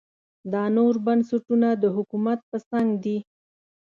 دا نور بنسټونه د حکومت په څنګ دي.